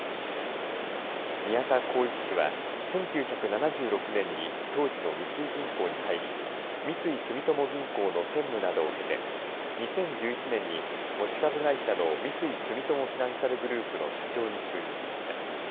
宮田孝一氏は１９７６年に当時の三井銀行に入り三井住友銀行の専務などを経て２０１１年に持ち株会社の三井住友フィナンシャルグループの社長に就任しました。